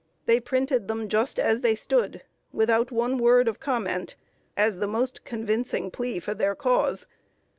They printed them just as they stood, without one word of comment, as the most convincing plea for their cause.